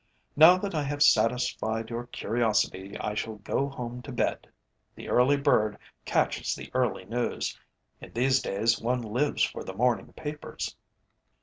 Now that I have satisfied your curiosity, I shall go home to bed. The early bird catches the early news. In these days one lives for the morning papers."